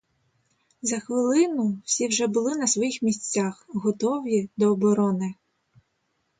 За хвилину всі вже були на своїх місцях, готові до оборони.